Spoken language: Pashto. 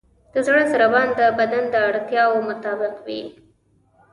د زړه ضربان د بدن د اړتیاوو مطابق وي.